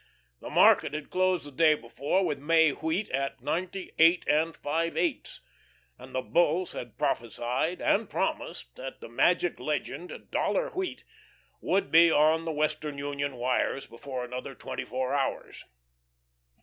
The market had closed the day before with May wheat at ninety eight and five eighths, and the Bulls had prophesied and promised that the magic legend "Dollar wheat" would be on the Western Union wires before another twenty four hours.